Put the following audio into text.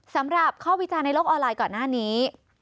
สำหรับข้อวิจารณ์ในโลกออนไลน์ก่อนหน้านี้